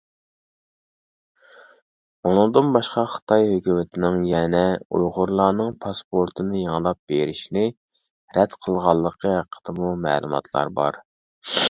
ئۇنىڭدىن باشقا خىتاي ھۆكۈمىتىنىڭ يەنە ئۇيغۇرلارنىڭ پاسپورتىنى يېڭىلاپ بېرىشنى رەت قىلغانلىقى ھەققىدىمۇ مەلۇماتلار بار .